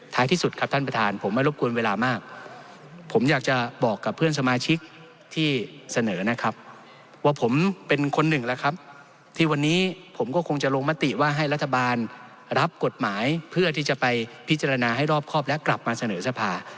ที่สุดครับท่านประธานผมไม่รบกวนเวลามากผมอยากจะบอกกับเพื่อนสมาชิกที่เสนอนะครับว่าผมเป็นคนหนึ่งแล้วครับที่วันนี้ผมก็คงจะลงมติว่าให้รัฐบาลรับกฎหมายเพื่อที่จะไปพิจารณาให้รอบครอบและกลับมาเสนอสภา